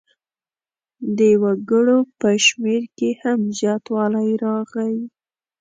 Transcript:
د وګړو په شمېر کې هم زیاتوالی راغی.